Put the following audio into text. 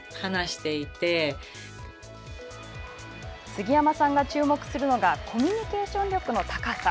杉山さんが注目するのはコミュニケーション力の高さ。